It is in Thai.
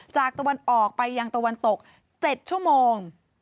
ตะวันออกไปยังตะวันตก๗ชั่วโมง